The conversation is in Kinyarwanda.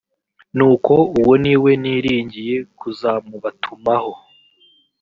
nuko uwo ni we niringiye kuzamubatumaho